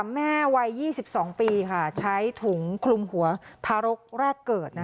แม่วัย๒๒ปีใช้ถุงคลุมหัวทารกแรกเกิด